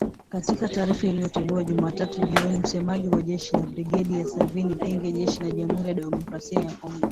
Katika taarifa iliyotolewa Jumatatu jioni na msemaji wa jeshi Brigedia Sylvain Ekenge jeshi la Jamuhuri ya Demokrasia ya Kongo